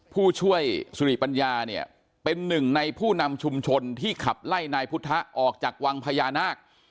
ผู้ช่วยสุริปัญญาเนี่ยเป็นหนึ่งในผู้นำชุมชนที่ขับไล่นายพุทธะออกจากวังพญานาค